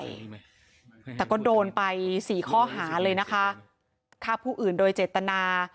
แต่ก็โดนไปสี่ข้อหาเลยนะคะฆ่าผู้อื่นโดยเจตนา